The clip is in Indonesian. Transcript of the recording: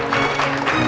ya enggan berhasil